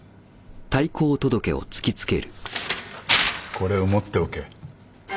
これを持っておけ。